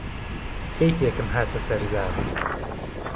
بهیتێکم هاته سهر زار